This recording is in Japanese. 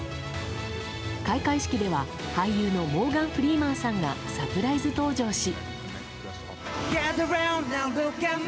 開会式では俳優のモーガン・フリーマンさんがサプライズ登場し。